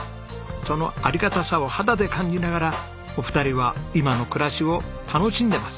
そのありがたさを肌で感じながらお二人は今の暮らしを楽しんでます。